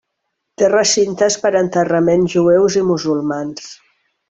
Té recintes per a enterraments jueus i musulmans.